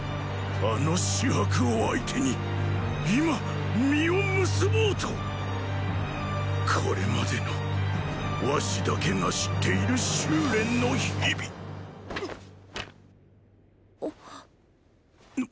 あの紫伯を相手に今実を結ぼうとこれまでの儂だけが知っている修練の日々あ⁉？